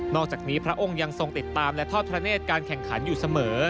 อกจากนี้พระองค์ยังทรงติดตามและทอดพระเนธการแข่งขันอยู่เสมอ